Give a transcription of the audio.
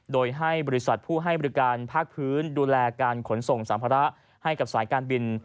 โดยให้บริษัทผู้ให้บริการภาคพื้นดูแลการขนส่งสัมภาระให้กับสายการบิน